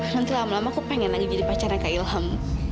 nanti lama lama kok pengen lagi jadi pacarnya kak ilham